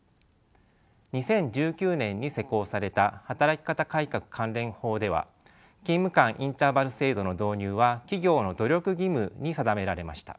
２０１９年に施行された働き方改革関連法では勤務間インターバル制度の導入は企業の努力義務に定められました。